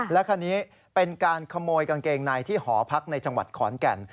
และคันนี้เป็นการขโมยกางเกงในที่หอพักในจังหวัดขอนแก่น